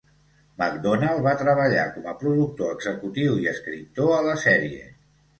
MacDonald va treballar com a productor executiu i escriptor a la sèrie.